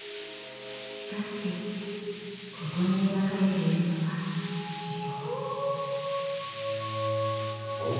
しかしここに描かれているのは希望。